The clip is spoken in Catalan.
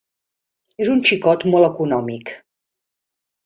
És un xicot molt econòmic.